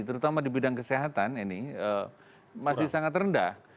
terutama di bidang kesehatan ini masih sangat rendah